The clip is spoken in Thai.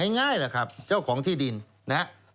ง่ายละครับเจ้าของที่ดินนี้